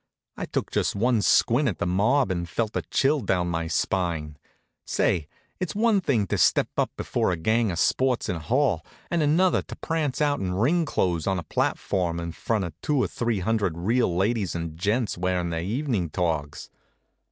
I took just one squint at the mob and felt a chill down my spine. Say, it's one thing to step up before a gang of sports in a hall, and another to prance out in ring clothes on a platform in front of two or three hundred real ladies and gents wearin' their evenin' togs.